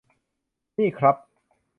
นี่ครับ